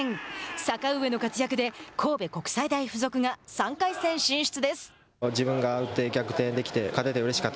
阪上の活躍で神戸国際大付属が３回戦進出です。